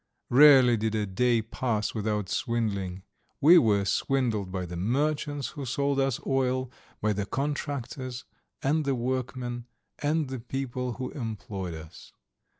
Rarely did a day pass without swindling. We were swindled by the merchants who sold us oil, by the contractors and the workmen and the people who employed us.